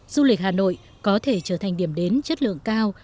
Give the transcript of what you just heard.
du lịch hà nội có thể trở thành điểm đến chất lượng cao